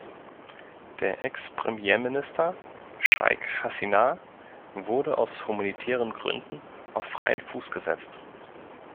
Der Ex-Premierminister Sheikh Hasina wurde aus humanitären Gründen auf freien Fuß gesetzt.